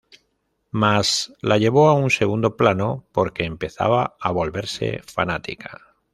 Mas, la llevó a un segundo plano porque empezaba a "volverse fanática".